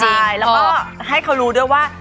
ใช่แล้วก็ให้เขารู้ด้วยว่า